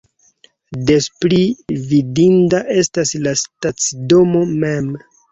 Des pli vidinda estas la stacidomo mem.